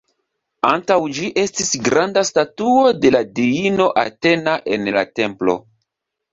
Antaŭ ĝi estis granda statuo de la diino Atena en la templo.